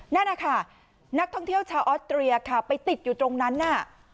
นั่นนะคะนักท่องเที่ยวชาวออสเตรียค่ะไปติดอยู่ตรงนั้นน่ะ